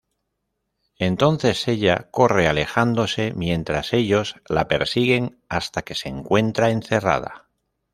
Entonces ella corre alejándose mientras ellos la persiguen hasta que se encuentra encerrada.